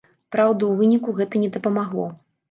Праўда, у выніку гэта не дапамагло.